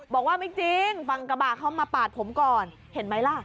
บอกว่าไม่จริงฝั่งกระบะเข้ามาปาดผมก่อนเห็นไหมล่ะ